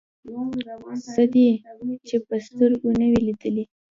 څه دې چې په سترګو نه وي لیدلي.